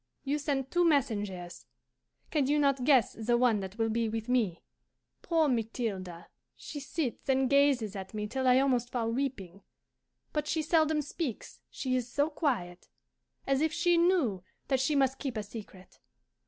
You sent two messengers: can you not guess the one that will be with me? Poor Mathilde, she sits and gazes at me till I almost fall weeping. But she seldom speaks, she is so quiet as if she knew that she must keep a secret.